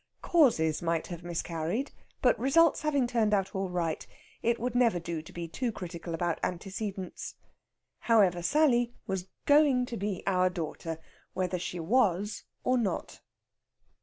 Causes might have miscarried, but results having turned out all right, it would never do to be too critical about antecedents. Anyhow, Sally was going to be our daughter, whether she was or not.